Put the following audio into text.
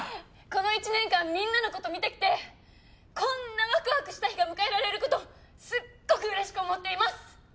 この１年間みんなの事見てきてこんなワクワクした日が迎えられる事すっごく嬉しく思っています！